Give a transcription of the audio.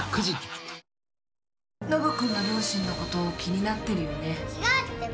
信君は両親のこと気になってるよね。